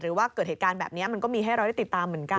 ว่าเกิดเหตุการณ์แบบนี้มันก็มีให้เราได้ติดตามเหมือนกัน